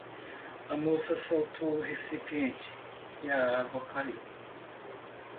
A moça soltou o recipiente? e a água caiu.